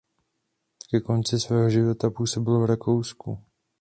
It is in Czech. Ke konci svého života působil v Rakousku.